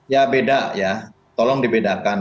ya beda ya tolong dibedakan